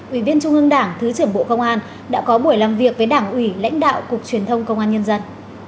ủy viên trung ương đảng thứ trưởng bộ công an đã có buổi làm việc với đảng ủy lãnh đạo cục truyền thông công an nhân dân